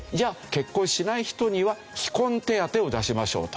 結婚しない人には非婚手当を出しましょうと。